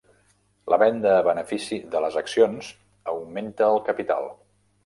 La venda a benefici de les accions augmenta el capital.